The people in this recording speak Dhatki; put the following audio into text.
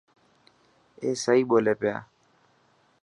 اي سئي ٻولي پيا.